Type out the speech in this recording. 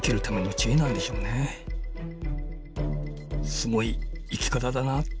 すごい生き方だなって